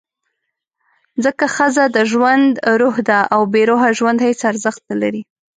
ځکه ښځه د ژوند «روح» ده، او بېروحه ژوند هېڅ ارزښت نه لري.